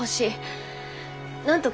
なんとか。